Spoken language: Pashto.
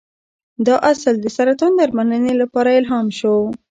دا اصل د سرطان درملنې لپاره الهام شو.